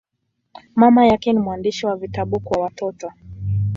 Mama yake ni mwandishi wa vitabu kwa watoto.